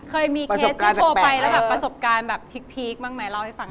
เคสที่โทรไปแล้วประสบการณ์พีคบ้างไหมเล่าให้ฟัง